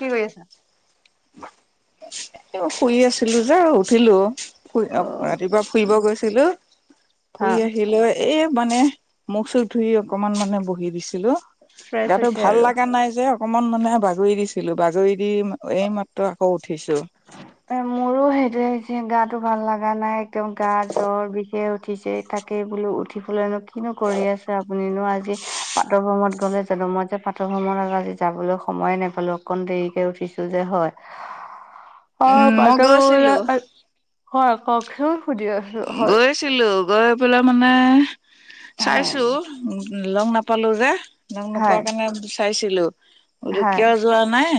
কি কৰি আছা? শুই আছিলো যে উঠিলো। ফুই- ৰাতিপুৱা ফুৰিব গৈছিলো হা ফুৰি আহিলৈ। এই মানে মুখ চুখ ধুই অকমান মানে বহি দিছিলো। ফ্ৰেছ গাটো হৈছে ভাল আৰু। লাগা নাই যে। অকমান মানে বাগৰি দিছিলো, বাগৰি দি এইমাত্ৰ আকৌ উঠিছো। এ' মোৰো সেইটোহে হৈছে গাতো ভাল লাগা নাই একদম গা জ্বৰ বিষে উঠিছে থাকে বোলো উঠি ফুলে কিনো কৰি আছে আপুনিনো আজি পাটভ্ৰমত গ'লে জানো মই যে পাটভ্ৰমণত আজি যাবলৈ সময়ে নেপালো অকন দেৰিকে উঠিছো যে হয়। উম অ' মই গৈছিলো পাটভ্ৰমণত হয় কওকচোন শুনি আছো হয়। গৈছিলো গৈ পেলাই মানে হয় চাইছো লগ নাপালো যে। নোক হয় নোপোৱাৰ কাৰণে চাইছিলো। বুলো হয় কিয় যোৱা নাই,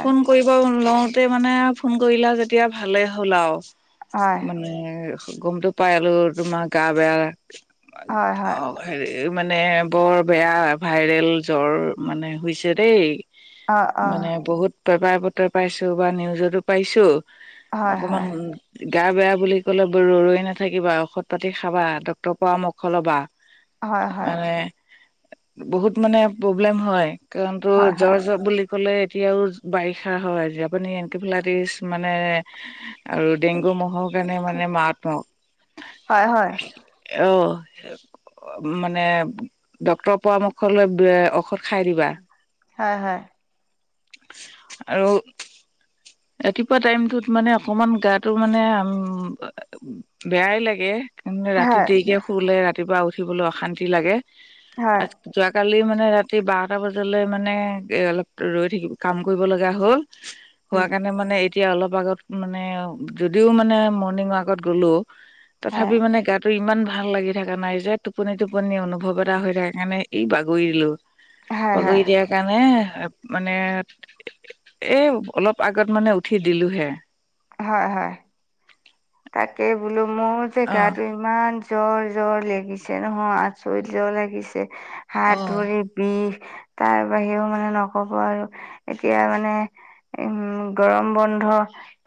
ফোন কৰিব লওঁ তে মানে ফোন কৰিলা যেতিয়া ভালে হ'ল আৰু, হয় হয় মানে গমটো পাইলো তোমাৰ গা বেয়া হয় হয় অ' হেৰি এই মানে বৰ বেয়া ভাইৰেল জ্বৰ মানে হৈছে দেই। অ', অ'। পেপাৰ পত্রই পাইছো বা নিউজটো পাইছো, হয় অকমান হয় গা বেয়া বুলি ক'লে ৰৈ, ৰৈ নাথাকিবা ঔষধ পাতি খাবা ডক্তৰ পৰামৰ্শ ল'বা। হয়, হয়। মানে বহুত মানে প্ৰব্লেম হয় কাৰণ তো হয় জ্বৰ, হয় জ্বৰ বুলি কলে এতিয়াও বাৰিষা হয় আপুনি এনকেফেলাইটিচ মানে আৰু ডেংগু মহ'ৰ কাৰণে মানে মাতাত্মক, হয় হয় অ'। মানে ডক্তৰৰ পৰামৰ্শ লৈ ঔষধ খাই দিবা। হয়, হয়। আৰু ৰাতিপুৱা টাইমতত মানে অকমান গাটো মানে বেয়াই লাগে। ে ৰাতি হয় দেৰিকে শলে ৰাতিপুৱা উঠিবলৈ অশান্তি লাগে হয় আৰু, যোৱাকালি মানে মে ৰাতি বাৰটা বজালৈ মানে অলপ ৰৈ থাকিব কাম কৰিব লগা হ'ল। হোৱা উম কাৰণে মানে এতিয়া অলপ আগত মানে যদিও মানে মৰ্ণিং ৱাকত গ'ল হয় তথাপি মানে গাটো ইমান ভাল লাগি থকা নাই যে টোপনি টোপনি অনুভৱ এটা হৈ থাকে কাৰণে ই বাগৰি দলো। হয় বগৰি দিয়াৰ কাৰণে মানে, এ অলপ আগত মানে উঠি দিলোহে। হয় হয়। তাকে বোলো মোৰ অ', জেগটো ইমান জ্বৰ জ্বৰ লাগিছে নহয় আচৰিত জ্বৰ লাগিছে হাত অ', ধৰি বিষ। তাৰ বাহিৰেও মানে নকব আৰু এতিয়া মানে উম গৰম বন্ধ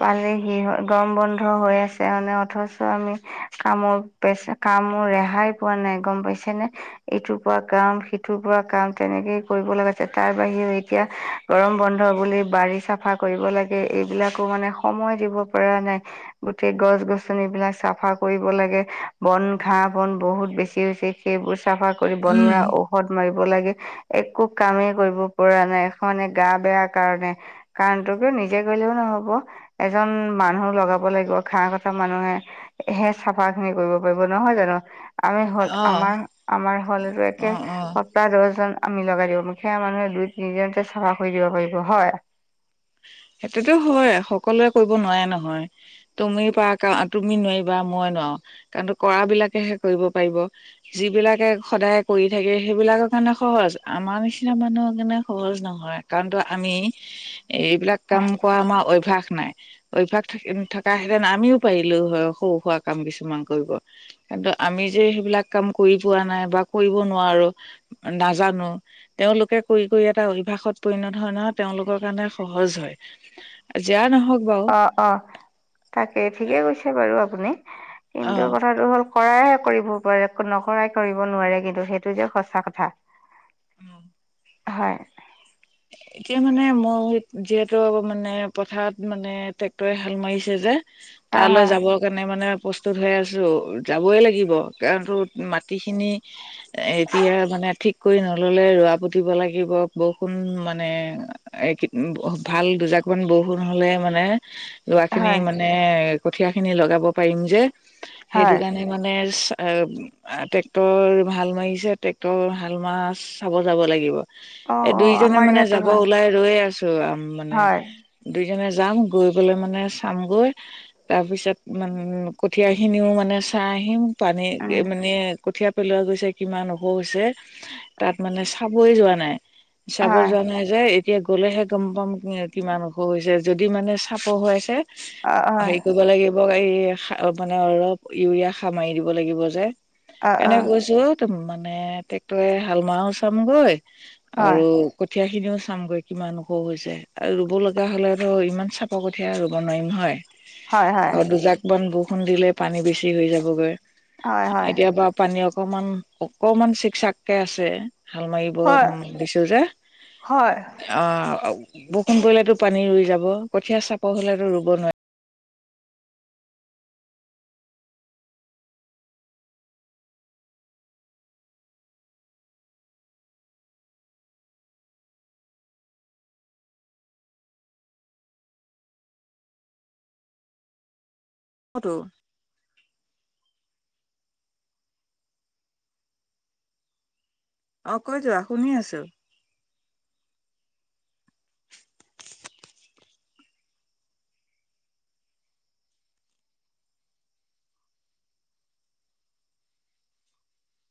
পালে সি হৈ গৰম বন্ধ হৈ আছে। মানে অথচ আমি কামৰ পেচ কামৰ ৰেহাই পোৱা নাই গম পাইছে নে? ইটোৰ পৰা কাম সিটোৰ পৰা কাম তেনেকেই কৰিব লগা আ তাৰ বাহিৰেও এতিয়া গৰম বন্ধ ধ বুলি বাৰী চাফা কৰিব লাগে এইবিলাকো মানে সময় দিব পৰা নাই গোটেই গছ গছনিবিলাক চাফা কৰিব লাগে বন ঘাঁহ বন বহুত বেছি হৈছে সেইবোৰ চাফা কৰি উম, বনোৱা ঔষধ মাৰিব লাগে একো কামেই কৰিব পৰা নাই এখনে গা বেয়া কাৰণে কাৰণটো কি নিজে গলেও নহব এজন মানুহ লগাব লাগিব। ঘহ কথা মানুহে সে চাফা খিনি কৰিব পাৰিব নহয় জানো? আমি হল অ', আমাৰ আমাৰ হলতে অ', অ'। সপ্তাহ দহজন আমি লগাই দিব মু সেয়া মানুহে দুই তিনিজনতে চাফা কৰি দিব পাৰিব হয়। সেইটোতো হয় সকলোৱে কৰিব নোৱাৰে নহয় তুমি প তুমি নোৱাৰিবা মই নোৱাৰো। কাৰণো কৰা বিলাকেহে কৰিব পাৰিব য বিলাকে সদায় কৰি থাকে সেইবিলাকৰ কাৰণে সহজ আমাৰ নিচিনা মানুহৰ কাৰনেে সহজ নহয় কাৰণ তো আমি এইবিলাক কাম কৰা আমাৰ অভ্যাস নাই অভ্যয়াস থকা হেঁতেন আমিও পাৰিলো হয় সৰু সুুৱ কাম কিছুমান কৰিব। কিন্তু আমি যে সেইবিলাক কাম কৰি পোৱা নাই বা কৰিব নোৱাৰো নাজানো তেওঁ তেওঁলোকে কৰি কৰি এটা অভ্যাসত পৰিণত হয় নহয় তেওঁলোকৰ কাৰণে সহজ হয়, জিয় নহয় অ' অ' তাকেই ঠিকে কৈছে বাৰু আপুনি অ কিন্তু কথাটো হ'ল কৰাইহে কৰিব পাৰে নকৰাই কৰিব নোৱাৰে কিন্তু সেইটো যে সঁচা কথা। [inaudible] হয়। এতিয়া মানে মই যিহেতু মানে পথাৰত মানে ট্ৰেক্টৰে হাল মাৰিছে যে। হয় তালৈ হয় যাবৰ কাৰণে মানে প্ৰস্তুত হৈ আছো যাবই লাগিব কাৰণো মাটিখিনি এতিয়া মানে মে ঠিক কৰি নল'লে ৰোৱা পুতিব লাগিব ব কুোন মানে ভাল দুজাকমান বৰষুণ হলে মানে লৰা খিনি হয় মানে কঠিয় খিনি লগাব পাৰিম যে, সেইটো হয় কাৰণে মানে এ ট্ৰেক্টৰ ভাল মাৰিছে ট্ৰেক্টৰ ভাল মাছ চাব যাব লাগিব। অ এই অ দুইজনে আমাৰ মানে ইয়াতো যাব হয় ওলাই ৰৈ আছো আম মানে হয় দুই জনে যাম গৈ পলে মানে চামগৈ তাৰ পিছত মানে কঠিয় খিনিও মানে চাহ আহিম পানী উম মানে কঠিয় পেলোৱা গৈছে কিমান ওখ হৈছে তাত মানে চাবয় যোৱা নাই চাব হয় যোৱা নাই যে এতিয়া গ'লেহে গম পাম কিমান ওখ হৈছে। যদি মানে চাপৰ হুৱাইছে অ হয় হেৰি কৰিব লাগিব মানে অলপ ইউৰিয়া সা মাৰি দিব লাগিব যে অ অ কেনেক কৈছো ম মানে ট্ৰেক্টৰে হাল মাহও চামগৈ আৰু হয় কঠ কঠীয়া খিনিও চামগৈ কিমান সখ হৈছে আৰু ৰুব লগা হ'লেতো ইমান চাপা কঠীয়া ৰুব নোৱাৰিম হয়। হয় হয় অ' দুজাক বান বৰষুণ দিলে পানী বেছি হৈ যাবগৈ। হয় হয় এতিয় বা পানী অকমান অকমান চিকচাককে আছে। হাল মাৰিব হয় দিছো যে, হয় অআ বৰষুণ পৰিলেতো পানী ৰুই যাব কঠীয়া চাপৰ হ'লেতো ৰুব নোৱি অ' টো। অ' কৈ যোৱা শুনি আছো।